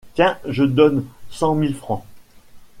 Tiens ! je donne cent mille francs !